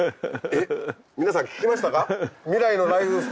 皆さん聞きましたか？